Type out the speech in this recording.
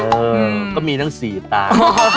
เออก็มีทั้ง๔ตา